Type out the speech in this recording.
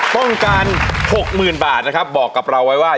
ต้องการ๖๐๐๐บาทนะครับบอกกับเราไว้ว่า